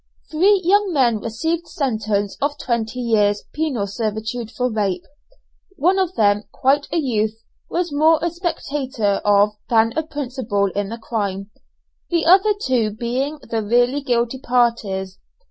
Three young men received sentence of twenty years' penal servitude for rape. One of them, quite a youth, was more a spectator of than a principal in the crime, the other two being the really guilty parties.